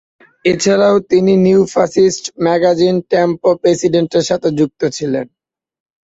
এছাড়াও তিনি neofascist magazine "Tempo Presente" এর সাথে যুক্ত ছিলেন।